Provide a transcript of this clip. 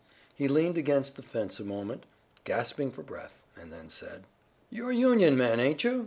He leaned against the fence a moment, gasping for breath, and then said: "You're Union men, ain't you?